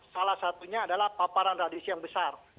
salah satunya adalah paparan radisi yang besar